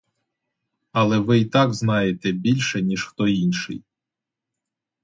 Але ви й так знаєте більше, ніж хто інший.